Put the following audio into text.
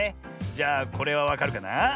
じゃあこれはわかるかな？